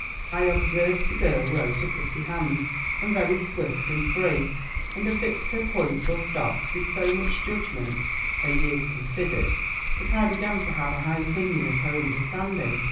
"I observed the girl wrote a pretty hand, and very swift and free; and affixed her points or stops with so much judgment (her years considered), that I began to have an high opinion of her understanding.